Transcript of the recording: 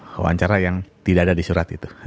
wawancara yang tidak ada di surat itu